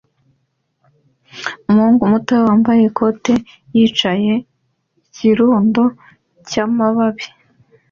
Umuhungu muto wambaye ikote yicaye ikirundo cyamababi